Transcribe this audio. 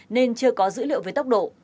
nên chưa có dữ liệu về tốc độ